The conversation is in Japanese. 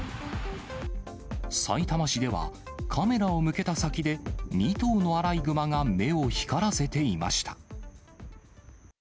さいたま市では、カメラを向けた先で２頭のアライグマが目を光らせていました。